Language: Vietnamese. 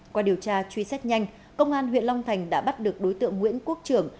qua điều tra truy xét nhanh công an huyện long thành đã bắt được đối tượng nguyễn quốc trưởng